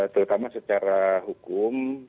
terutama secara hukum